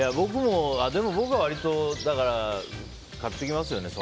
でも僕は割と買ってきますね。